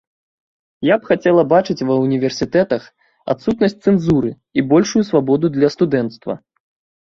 Я б хацела бачыць ва ўніверсітэтах адсутнасць цэнзуры і большую свабоду для студэнцтва.